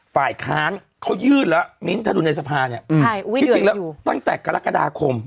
ฝ่ายค้างเขายืดแล้วมินทดุในสภาพธิติกตั้งแต่กรกฎาคม